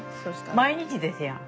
毎日ですやん。